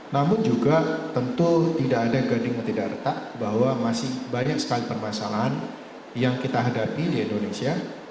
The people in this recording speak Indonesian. namun juga tentu tidak ada gading atau tidak retak bahwa masih banyak sekali permasalahan yang kita hadapi di indonesia